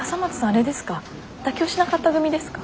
あれですか妥協しなかった組ですか？